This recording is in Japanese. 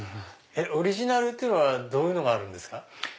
オリジナルっていうのはどういうのがあるんですか？